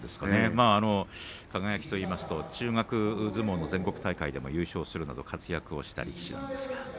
輝といいますと中学相撲の全国大会でも優勝するなど活躍したりしていました。